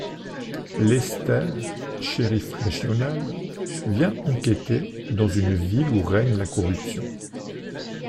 Lester, shériff régional, vient enquêter dans une ville où règne la corruption.